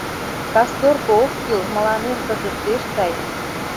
— Касторко ок кӱл, мыланем кызыт пеш сай.